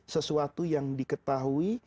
sesuatu yang diketahui